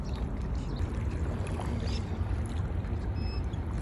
Dijo que marcharía a cumplir una misión, pero no explicó dónde.